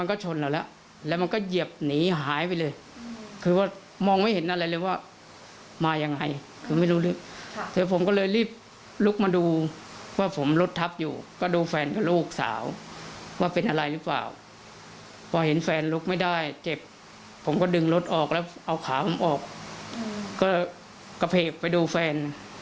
เขาแก็ต้องเข้าออกกับแพฟไปดูแฟน